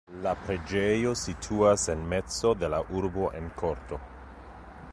La preĝejo situas en mezo de la urbo en korto.